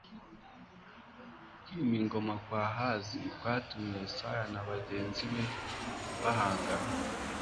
kwima ingoma kwa ahazi kwatumye yesaya na bagenzi be bahangana